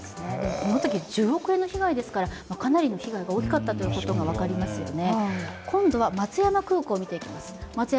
このとき１０億円の被害ですからかなり被害が大きかったことが分かりますね。